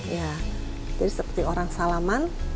ya jadi seperti orang salaman